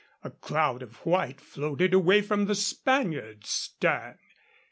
A cloud of white floated away from the Spaniard's stern.